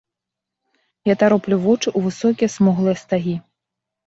Я тароплю вочы ў высокія смуглыя стагі.